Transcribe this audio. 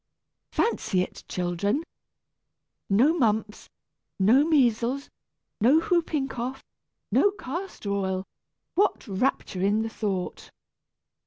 Fancy it, children! No mumps, no measles, no whooping cough, no castor oil! What rapture in the thought!